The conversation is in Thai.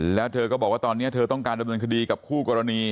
แล้วเธอก็บอกว่าตอนนี้เธอต้องการดำเนินคดีกับคู่กรณี